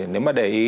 nếu mà để ý